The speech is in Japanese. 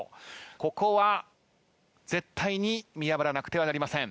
ここは絶対に見破らなくてはなりません。